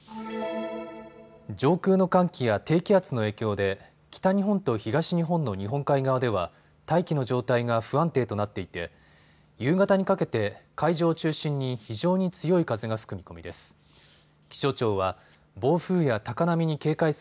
上空の寒気や低気圧の影響で北日本と東日本の日本海側では大気の状態が不安定となっていて夕方にかけて海上を中心に非常に強い風が吹く見込みです。